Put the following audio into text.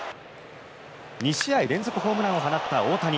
２試合連続ホームランを放った大谷。